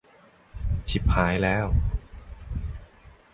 ชิบหายแล้วครับ